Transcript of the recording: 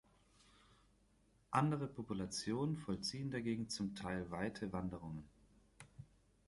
Andere Populationen vollziehen dagegen zum Teil weite Wanderungen.